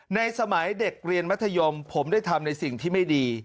ในสมัยเด็กเรียนมัธยมผมได้ทำในสิ่งที่ไม่ดี